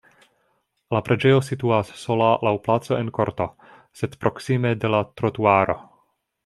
La preĝejo situas sola laŭ placo en korto, sed proksime de la trotuaro.